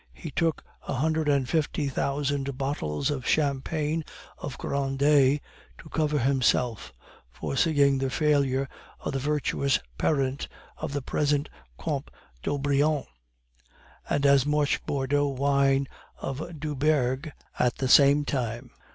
He took a hundred and fifty thousand bottles of champagne of Grandet to cover himself (forseeing the failure of the virtuous parent of the present Comte d'Aubrion), and as much Bordeaux wine of Duberghe at the same time.